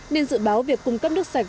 nên dự báo việc cung cấp nước sinh hoạt